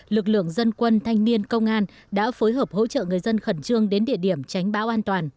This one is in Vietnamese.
lực lượng dân quân thanh niên công an đã phối hợp hỗ trợ người dân khẩn trương đến địa điểm tránh bão an toàn